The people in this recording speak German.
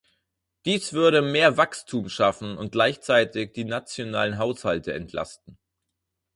Dies würde mehr Wachstum schaffen und gleichzeitig die nationalen Haushalte entlasten.